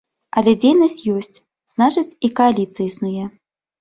Але дзейнасць ёсць, значыць, і кааліцыя існуе.